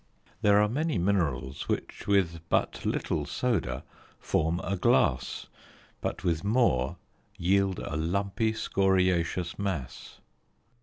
There are many minerals which with but little soda form a glass, but with more yield a lumpy scoriacious mass.